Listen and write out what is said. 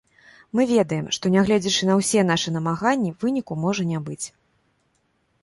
Мы ведаем, што, нягледзячы на ўсе нашы намаганні, выніку можа не быць.